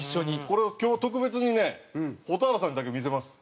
これを今日特別にね蛍原さんにだけ見せます。